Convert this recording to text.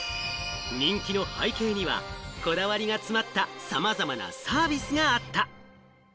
人気の背景には、こだわりが詰まった、さまざまなサービスがあった。